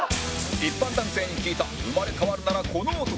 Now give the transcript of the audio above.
一般男性に聞いた生まれ変わるならこの男